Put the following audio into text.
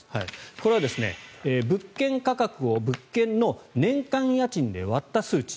これは物件価格を物件の年間家賃で割った数値。